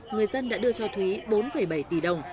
người dân đã đưa cho thúy bốn bảy tỷ đồng